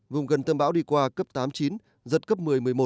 vùng gần tâm bão đi qua cấp tám chín giật cấp một mươi một mươi một